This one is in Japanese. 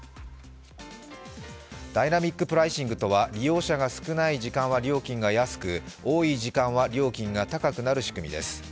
ダイナミックプライシングとは利用者が少ない時間は料金が安く多い時間は料金が高くなる仕組みです。